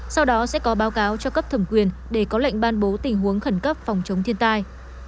sau đó sẽ có báo cáo cho cấp thẩm quyền để có lệnh ban bố tình huống khẩn cấp phòng chống thiên tai